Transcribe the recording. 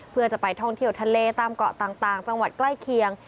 เพื่อจะไปท่องเที่ยวทะเลตามเกาะต่างจังหวัดใกล้เคียง